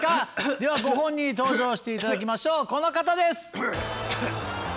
ではご本人に登場していただきましょうこの方です。